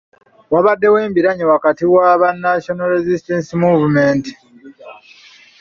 Waabaddewo embiranye wakati wa banna National Resistance Movement.